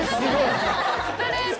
ストレート！